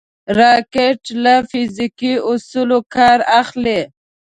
راکټ له فزیکي اصولو کار اخلي